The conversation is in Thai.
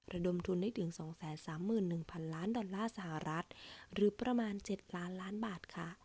ระดมทุนได้ถึง๒๓๑๐๐๐ล้านดอลลาร์สหรัฐหรือประมาณ๗ล้านล้านบาทค่ะ